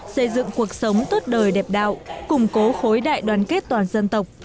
xây dựng cuộc sống tốt đời đẹp đạo củng cố khối đại đoàn kết toàn dân tộc